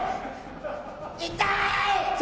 痛い！